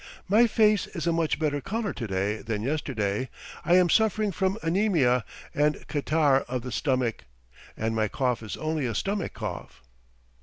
"My face is a much better colour to day than yesterday. I am suffering from anemia and catarrh of the stomach, and my cough is only a stomach cough."